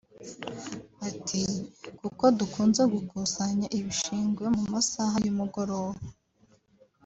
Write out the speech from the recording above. Ati “Kuko dukunze gukusanya ibishingwe mu masaha y’umugoroba